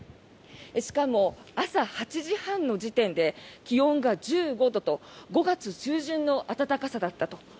しかも朝８時半の時点で気温が１５度と５月中旬の暖かさだったと。